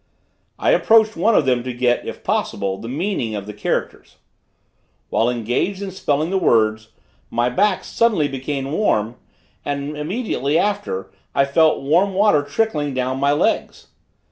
I approached one of them to get, if possible, the meaning of the characters. While engaged in spelling the words, my back suddenly became warm, and immediately after I felt warm water trickling down my legs.